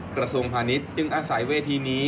กระทรวงพาณิชย์จึงอาศัยเวทีนี้